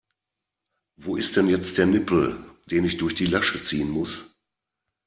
Wo ist denn jetzt der Nippel, den ich durch die Lasche ziehen muss?